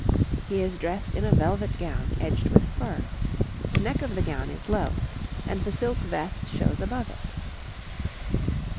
He is dressed in a velvet gown edged with fur; the neck of the gown is low, and the silk vest shows above it.